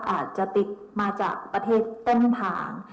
อาจจะติดมาจากประเทศต้นทาง